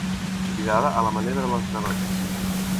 Cridada a la manera de les granotes.